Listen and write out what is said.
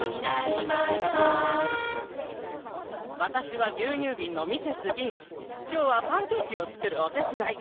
わたしはぎゅうにゅうびんのきょうはパンケーキをつくるおてつだい。